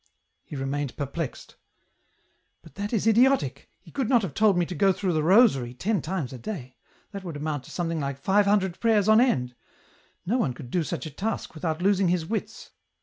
He remained perplexed. " But that is idiotic, he could not have told me to go through the rosary ten times a day ; that would amount to something like five hundred prayers on end ; no one could do such a task without losing his wits.